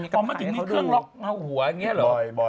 อ๋อมันจริงมีเครื่องล็อคเอาหัวอย่างนี้เหรอใช่ไหม